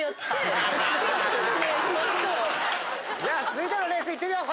じゃあ続いてのレースいってみよう！